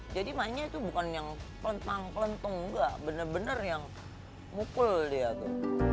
jadi mainnya itu bukan yang pelentang pelentung enggak bener bener yang mukul dia tuh